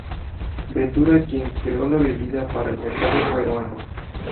Ventura, quien creó la bebida para el mercado peruano.